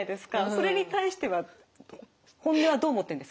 それに対しては本音はどう思ってるんですか？